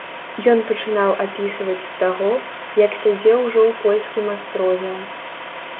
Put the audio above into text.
Ён пачынаў апісваць з таго, як сядзеў ужо ў польскім астрозе.